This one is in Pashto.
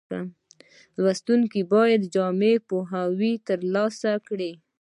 لوستونکي باید جامع پوهاوی ترلاسه کړي.